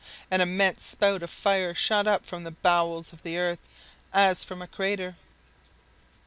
An immense spout of fire shot up from the bowels of the earth as from a crater.